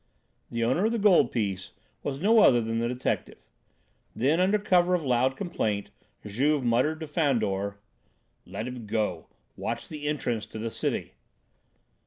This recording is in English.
The owner of the gold piece was no other than the detective. Then, under cover of loud complaint, Juve muttered to Fandor, "Let him go! Watch the entrance to the Cité!"